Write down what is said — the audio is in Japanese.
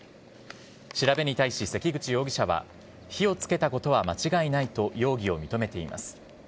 調べに対し関口容疑者は、火をつけたことは間違いないと容疑を認めています。